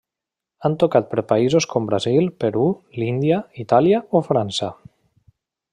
Han tocat per països com Brasil, Perú, l'Índia, Itàlia o França.